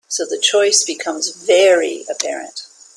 So the choice becomes very apparent.